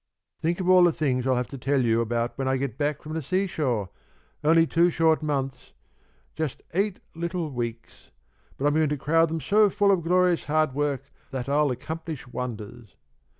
"Think of all the things I'll have to tell you about when I get back from the seashore. Only two short months, just eight little weeks, but I'm going to crowd them so full of glorious hard work that I'll accomplish wonders.